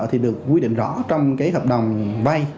thì được quy định rõ trong cái hợp đồng vay